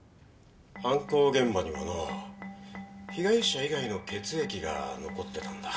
犯行現場にはな被害者以外の血液が残ってたんだ。